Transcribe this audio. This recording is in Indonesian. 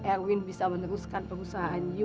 erwin bisa meneruskan perusahaan u